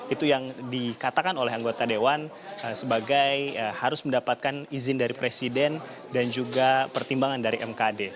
itu yang dikatakan oleh anggota dewan sebagai harus mendapatkan izin dari presiden dan juga pertimbangan dari mkd